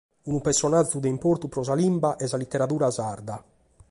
Unu personàgiu de importu pro sa lìngua e sa literadura sarda.